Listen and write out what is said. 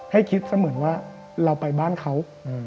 ให้คิดเสมือนว่าเราไปบ้านเขา